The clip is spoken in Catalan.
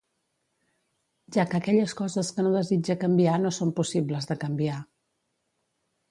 Ja que aquelles coses que no desitja canviar no són possibles de canviar.